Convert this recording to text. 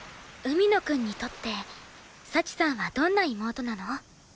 海野くんにとって幸さんはどんな妹なの？